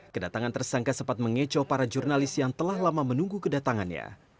kedatangan tersangka sempat mengecoh para jurnalis yang telah lama menunggu kedatangannya